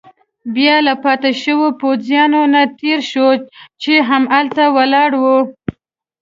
بیا له پاتې شوو پوځیانو نه تېر شوو، چې هملته ولاړ ول.